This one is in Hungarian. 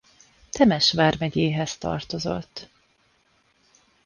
Temes vármegyéhez tartozott.